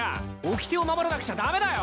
おきてを守らなくちゃ駄目だよ。